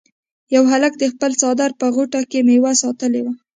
یو هلک د خپل څادر په غوټه کې میوه ساتلې وه.